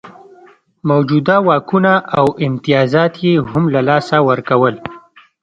موجوده واکونه او امتیازات یې هم له لاسه ورکول.